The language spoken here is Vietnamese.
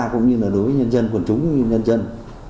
cũng như là đối với nhân dân quần chúng nhân dân